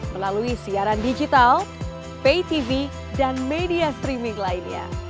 melalui siaran digital pay tv dan media streaming lainnya